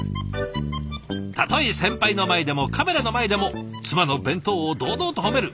たとえ先輩の前でもカメラの前でも妻の弁当を堂々と褒める。